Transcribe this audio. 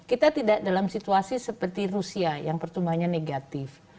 kita tidak dalam situasi seperti rusia yang pertumbuhannya negatif